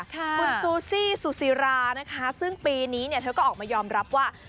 คุณซูซี่ซูซิรานะคะซึ่งปีนี้เนี่ยเธอก็ออกมายอมรับว่า